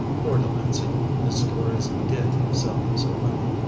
Poor Delancey, his stories did sell so well!